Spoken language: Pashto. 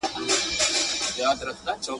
د سندرو سره غبرګي وايي ساندي.